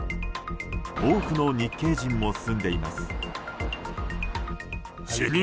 多くの日系人も住んでいます。